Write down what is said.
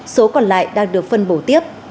số còn lại đang được phân bổ tiếp